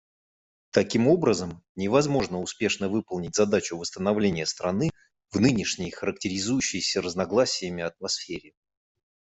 Таким образом, невозможно успешно выполнить задачу восстановления страны в нынешней характеризующейся разногласиями атмосфере.